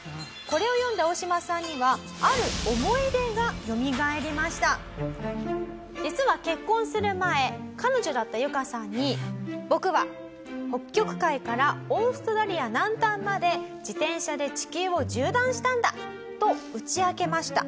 これを読んだオオシマさんには実は結婚する前彼女だったユカさんに「僕は北極海からオーストラリア南端まで自転車で地球を縦断したんだ」と打ち明けました。